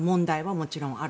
もちろんある。